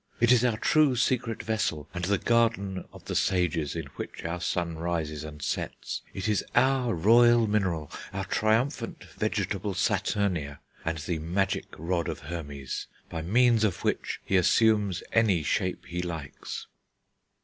It is our true secret vessel, and the Garden of the Sages in which our sun rises and sets. It is our Royal Mineral, our triumphant vegetable Saturnia, and the magic rod of Hermes, by means of which he assumes any shape he likes."